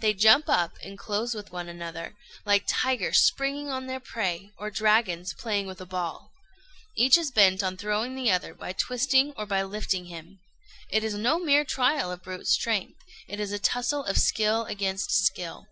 They jump up and close with one another, like tigers springing on their prey, or dragons playing with a ball. Each is bent on throwing the other by twisting or by lifting him. It is no mere trial of brute strength; it is a tussle of skill against skill.